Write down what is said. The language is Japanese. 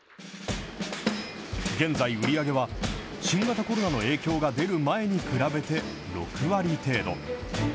現在、売り上げは新型コロナの影響が出る前に比べて６割程度。